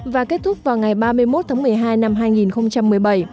và kết thúc vào ngày ba mươi một tháng một mươi hai năm hai nghìn một mươi bảy